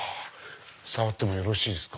触ってもよろしいですか？